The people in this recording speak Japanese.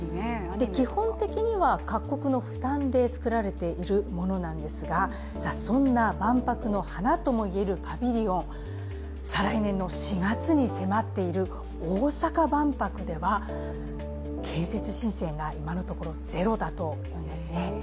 基本的には各国の負担で作られているものなんですがそんな万博の華ともいえるパビリオン、再来年の４月に迫っている大阪万博では建設申請が今のところゼロだというんですね。